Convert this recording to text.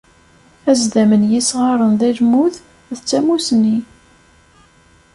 Azdam n yisɣaren d almud, d tamussni.